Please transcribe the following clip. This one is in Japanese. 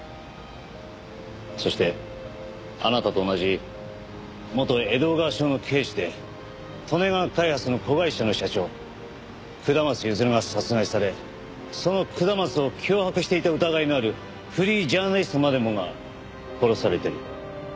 そしてあなたと同じ元江戸川署の刑事で利根川開発の子会社の社長下松譲が殺害されその下松を脅迫していた疑いのあるフリージャーナリストまでもが殺されている。